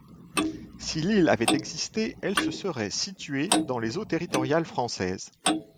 Si l'île avait existé, elle se serait située dans les eaux territoriales françaises.